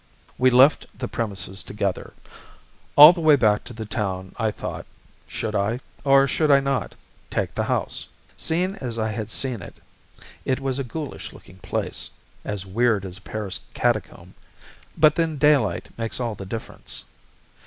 We left the premises together. All the way back to the town I thought should I, or should I not, take the house? Seen as I had seen it, it was a ghoulish looking place as weird as a Paris catacomb but then daylight makes all the difference.